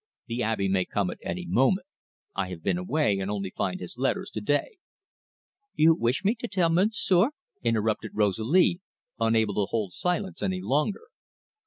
The Abbe may come at any moment. I have been away, and only find his letters to day." "You wish me to tell Monsieur?" interrupted Rosalie, unable to hold silence any longer.